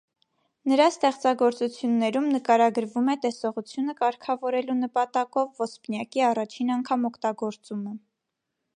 Նրա ստեղծագործություններում նկարագրվում է տեսողությունը կարգավորելու նպատակով ոսպնյակի առաջին անգամ օգտագործումը։